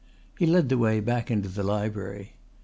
He led the way back into the library.